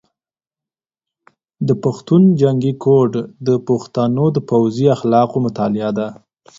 د پښتون جنګي کوډ د پښتنو د پوځي اخلاقو مطالعه ده.